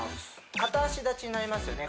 片脚立ちになりますよね